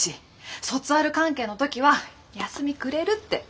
卒アル関係の時は休みくれるって。